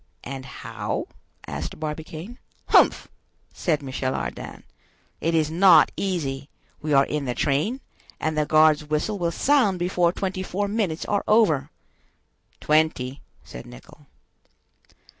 "And how?" asked Barbicane. "Humph!" said Michel Ardan, "it is not easy; we are in the train, and the guard's whistle will sound before twenty four minutes are over." "Twenty," said Nicholl.